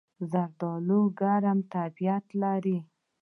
زردالو ګرم طبیعت لري.